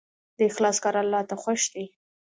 د اخلاص کار الله ته خوښ دی.